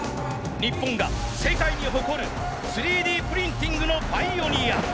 日本が世界に誇る３Ｄプリンティングのパイオニア。